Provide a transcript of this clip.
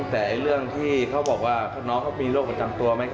แต่เรื่องที่เขาบอกว่าน้องเขามีโรคประจำตัวไหมครับ